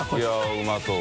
うまそうね。